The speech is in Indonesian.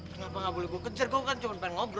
kenapa ga boleh gua kejar kau kan cuma pengen ngobrol